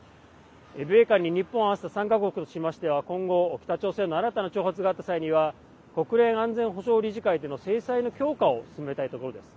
米韓に日本を合わせた３か国としましては今後、北朝鮮の新たな挑発があった際には国連安全保障理事会での制裁の強化を進めたいところです。